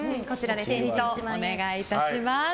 ツイートお願いいたします。